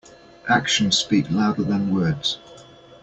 Actions speak louder than words.